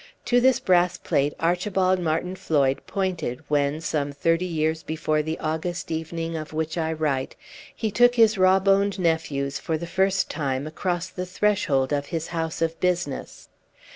To this brass plate Archibald Martin Floyd pointed when, some thirty years before the August evening of which I write, he took his raw boned nephews for the first time across the threshold of his house of business.